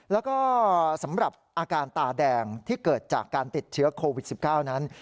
แล้วก็สำหรับอาการตาแดงที่เกิดจากการติดเชื้อโควิด๑๙นั้น